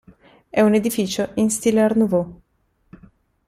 È un edificio in stile art nouveau.